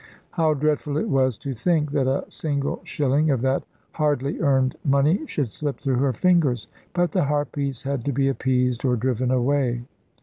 How dreadful it was to think that a single shilling of that hardly earned money should slip through her fingers; but the harpies had to be appeased or driven away.